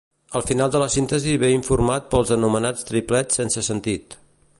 El final de la síntesi ve informat pels anomenats triplets sense sentit.